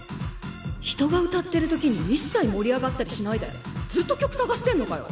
人が歌ってるときに一切盛り上がったりしないでずっと曲探してんのかよ！？